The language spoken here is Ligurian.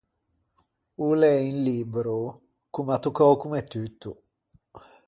O l’é un libbro ch’o m’à toccou comme tutto.